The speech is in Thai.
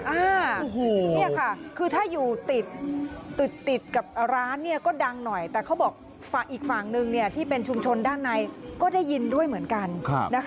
อันนี้ค่ะคือถ้าอยู่ติดติดกับร้านเนี่ยก็ดังหน่อยแต่เขาบอกอีกฝั่งนึงเนี่ยที่เป็นชุมชนด้านในก็ได้ยินด้วยเหมือนกันนะคะ